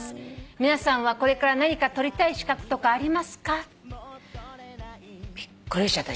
「皆さんはこれから何か取りたい資格とかありますか？」びっくりした私。